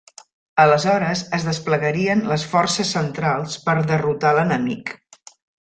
Aleshores es desplegarien les forces centrals per derrotar l'enemic.